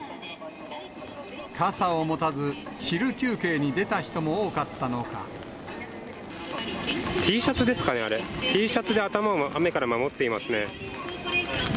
傘を持たず、Ｔシャツですかね、あれ、Ｔシャツで頭を雨から守っていますね。